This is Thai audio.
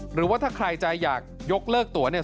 หรือว่าถ้าใครจะอยากยกเลิกตัวเนี่ย